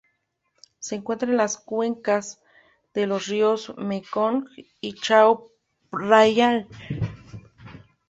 Se encuentra en las cuencas de los ríos Mekong y Chao Phraya.